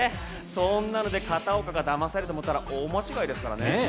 そんなので片岡がだまされると思ったら大間違いですからね。